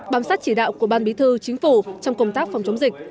bám sát chỉ đạo của ban bí thư chính phủ trong công tác phòng chống dịch